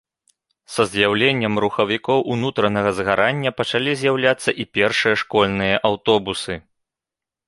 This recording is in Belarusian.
Са з'яўленнем рухавікоў унутранага згарання пачалі з'яўляцца і першыя школьныя аўтобусы.